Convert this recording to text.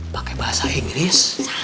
pake bahasa inggris